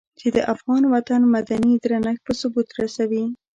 چې د افغان وطن مدني درنښت په ثبوت رسوي.